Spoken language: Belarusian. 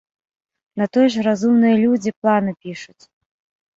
На тое ж разумныя людзі планы пішуць.